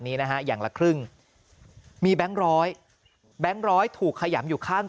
นี้นะฮะอย่างละครึ่งมีแบงค์ร้อยแบงค์ร้อยถูกขยำอยู่ข้าง